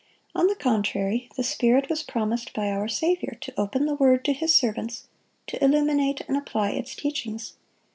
On the contrary, the Spirit was promised by our Saviour, to open the Word to His servants, to illuminate and apply its teachings.